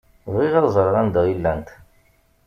Bɣiɣ ad ẓṛeɣ anda i llant.